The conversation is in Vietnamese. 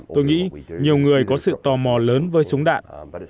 tôi nghĩ nhiều người có sự tò mò lớn với súng đạn